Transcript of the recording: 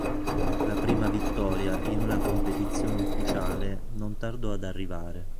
La prima vittoria in una competizione ufficiale non tardò ad arrivare.